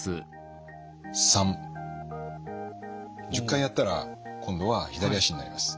１０回やったら今度は左脚になります。